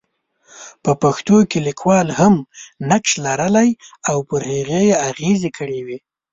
په پېښو کې لیکوال هم نقش لرلی او پر هغې یې اغېز کړی وي.